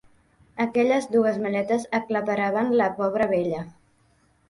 Aquelles dues maletes aclaparaven la pobra vella.